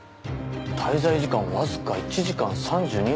滞在時間わずか１時間３２分。